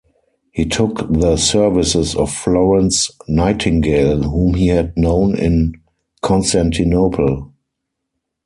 He took the services of Florence Nightingale whom he had known in Constantinople.